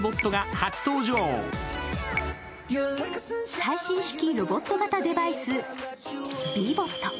最新式ロボット型デバイス、Ｂボット。